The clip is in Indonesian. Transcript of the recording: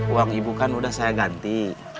uang ibu kan udah saya ganti